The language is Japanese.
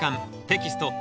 テキスト８